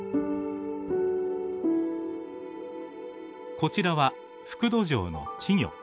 こちらはフクドジョウの稚魚。